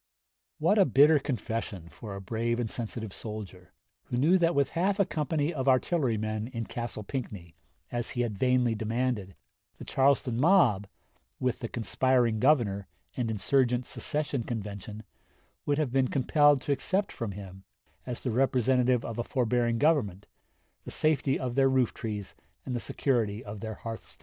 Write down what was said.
What a bitter confession for a brave and sensitive soldier, who knew that with half a company of artillerymen in Castle Pinckney, as he had vainly demanded, the Charleston mob, with the conspiring Governor and insurgent secession convention, would have been compelled to accept from him, as the representative of a forbearing Government, the safety of their roof trees and the security of their hearthstones.